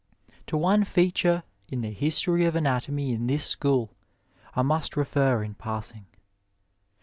To one feature in the history of anatomy in this school I must refer in passing.